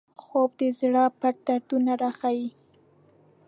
خوب د زړه پټ دردونه راښيي